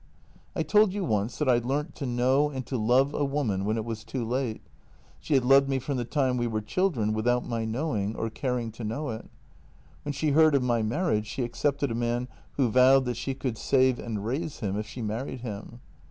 " I told you once that I learnt to know and to love a woman when it was too late. She had loved me from the time we were children without my knowing, or caring to know it. When she heard of my marriage she accepted a man who vowed that she could save and raise him if she married him.